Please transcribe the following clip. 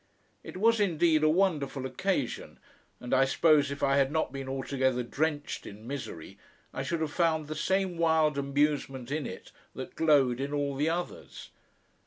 It was indeed a wonderful occasion, and I suppose if I had not been altogether drenched in misery, I should have found the same wild amusement in it that glowed in all the others.